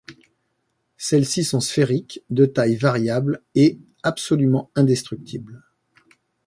Celles-ci sont sphériques, de tailles variables et… absolument indestructibles.